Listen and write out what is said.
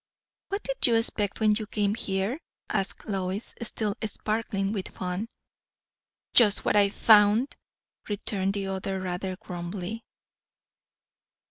"What did you expect when you came here?" asked Lois, still sparkling with fun. "Just what I found!" returned the other rather grumbly.